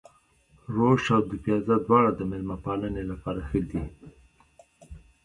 روش او دوپيازه دواړه د مېلمه پالنې لپاره ښه دي.